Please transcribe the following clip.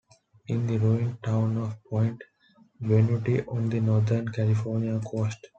In the ruined town of Point Venuti on the northern California coast.